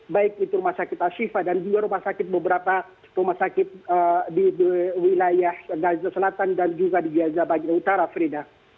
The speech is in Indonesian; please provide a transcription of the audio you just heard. baik itu rumah sakit ashifa dan juga rumah sakit beberapa rumah sakit di wilayah gaza selatan dan juga di gaza bagian utara frida